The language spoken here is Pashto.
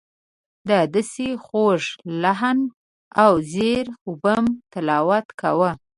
ده داسې خوږ لحن او زیر و بم تلاوت کاوه.